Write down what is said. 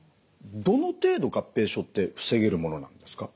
どの程度合併症って防げるものなんですか？